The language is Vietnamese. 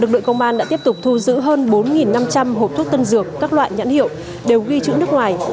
lực lượng công an đã tiếp tục thu giữ hơn bốn năm trăm linh hộp thuốc tân dược các loại nhãn hiệu đều ghi chữ nước ngoài